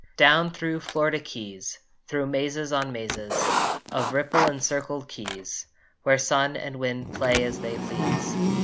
Down thro Florida keys, Thro mazes on mazes Of ripple encircled keys, Where sun and wind play as they please!